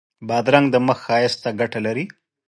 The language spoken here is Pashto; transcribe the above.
بادرنګ د مخ ښایست ته ګټه لري.